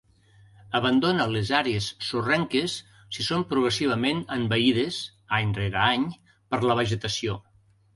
Abandona les àrees sorrenques si són progressivament envaïdes, any rere any, per la vegetació.